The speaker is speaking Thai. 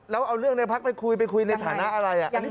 แล้วเอาเรื่องในพักไปคุยไปคุยในฐานะอะไร